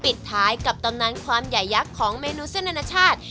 ปิดท้ายกับตำนานความใหญ่ยักษ์ของเมนูเส้นอนาชาติ